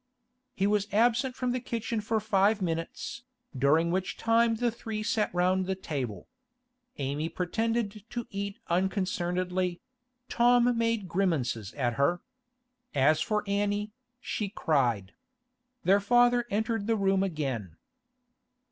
He was absent from the kitchen for five minutes, during which time the three sat round the table. Amy pretended to eat unconcernedly; Tom made grimaces at her. As for Annie, she cried. Their father entered the room again.